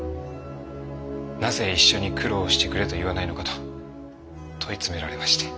なぜ一緒に苦労してくれと言わないのかと問い詰められまして。